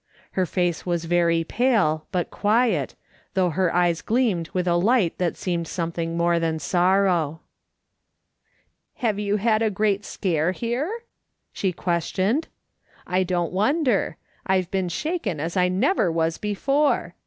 Her face was very pale, but quiet, though her eyes gleamed with a light that seemed something more than sorrow. " Have you had a great scare here ?" she ques tioned, " I don't wonder ; I've been shaken as I never was before.